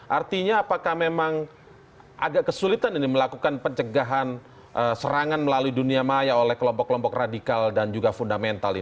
artinya apakah memang agak kesulitan ini melakukan pencegahan serangan melalui dunia maya oleh kelompok kelompok radikal dan juga fundamental ini